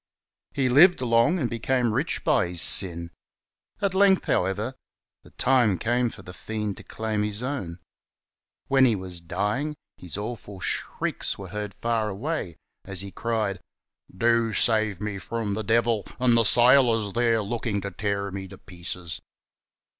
He Kved long and became rich by his sin. At length, however, the time came for the fiend to claim his own. When he was dying his awful shrieks were heard far away, as he cried, " Do save me from the devil, and the sailors, there, looking to tear me to pieces."